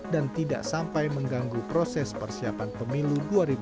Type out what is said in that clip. tidak sampai mengganggu proses persiapan pemilu dua ribu dua puluh